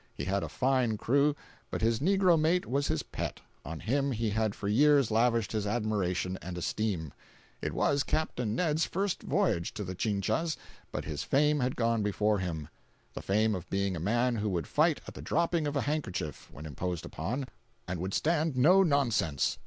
He had a fine crew, but his negro mate was his pet—on him he had for years lavished his admiration and esteem. It was Capt. Ned's first voyage to the Chinchas, but his fame had gone before him—the fame of being a man who would fight at the dropping of a handkerchief, when imposed upon, and would stand no nonsense.